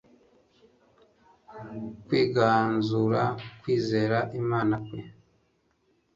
kwiganzura kwizera Imana kwe